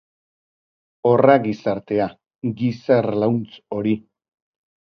Horra gizartea, giza erlauntz hori.